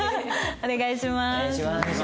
お願いします。